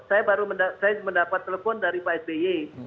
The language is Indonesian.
saya baru saya mendapat telepon dari pak sby